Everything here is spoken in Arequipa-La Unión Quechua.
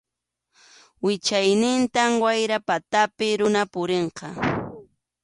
Wichaynintam wayra patapi runa purinqa.